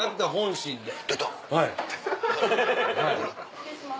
失礼します。